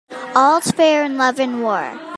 All's fair in love and war.